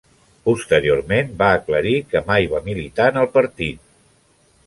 Posteriorment va aclarir que mai va militar en el partit.